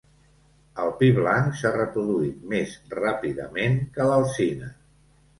El pi blanc s'ha reproduït més ràpidament que l'alzina.